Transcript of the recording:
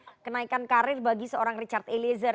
apakah pernaikan karir bagi seorang richard eliezer